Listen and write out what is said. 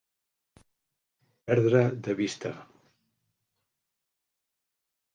Perdre de vista.